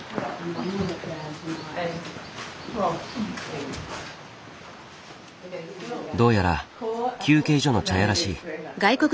どうやら休憩所の茶屋らしい。